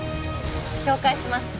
紹介します